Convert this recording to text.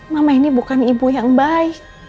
mama ini bukan ibu yang baik